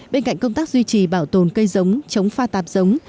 bên cạnh công tác duy trì bảo tồn cây giống chống pha tạp giống